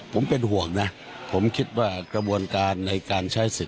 ผมเป็นห่วงนะผมคิดว่ากระบวนการในการใช้สิทธิ